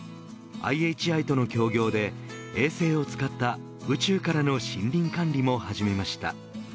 ＩＨＩとの協業で衛星を使った宇宙からの森林管理にも始めました。